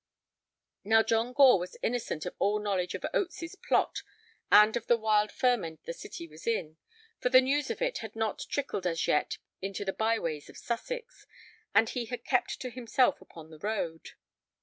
Now John Gore was innocent of all knowledge of Oates's Plot and of the wild ferment the City was in, for the news of it had not trickled as yet into the by ways of Sussex, and he had kept to himself upon the road.